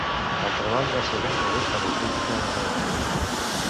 El treball va ser ben rebut per la crítica en general.